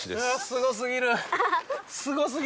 すごすぎる！